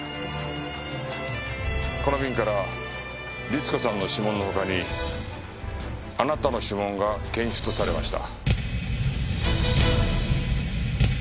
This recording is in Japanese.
この瓶から律子さんの指紋の他にあなたの指紋が検出されました。